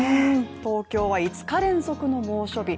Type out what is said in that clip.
東京は５日連続の猛暑日。